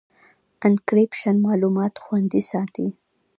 انکریپشن معلومات خوندي ساتي.